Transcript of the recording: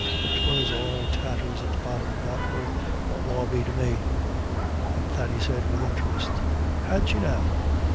"But 'twas all tatters at the bottom, not worth a bawbee to mine." And Thady said with interest: "Had she now?"